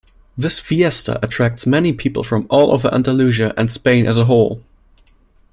This fiesta attracts many people from all over Andalusia and Spain as a whole.